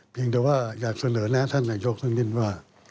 เพียงแต่ว่าอยากเสนอแนะท่านนายกสักนิดว่า